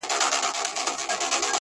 • د کيسې دردناک اثر لا هم ذهن کي پاتې,